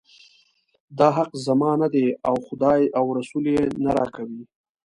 دا حق زما نه دی او خدای او رسول یې نه راکوي.